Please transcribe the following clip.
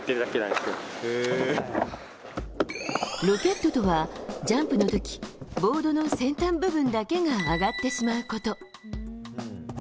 ロケットとは、ジャンプの時ボードの先端部分だけが上がってしまうこと。